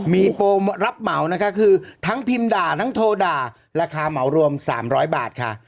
มีโปรรับเหมานะคะคือทั้งพิมพ์ด่าทั้งโทรด่าราคาเหมารวม๓๐๐บาทค่ะ